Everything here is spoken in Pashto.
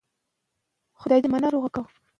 خندا د ناروغیو مخنیوي کې مرسته کوي.